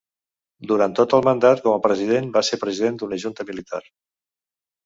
Durant tot el mandat com a president va ser president d'una junta militar.